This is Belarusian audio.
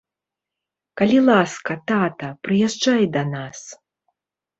Калі ласка, тата, прыязджай да нас.